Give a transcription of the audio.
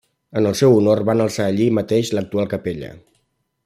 En el seu honor van alçar allí mateix l'actual capella.